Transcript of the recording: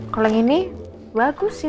kalau yang ini bagus sih